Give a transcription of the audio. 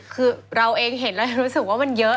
คือเราเองเห็นแล้วรู้สึกว่ามันเยอะ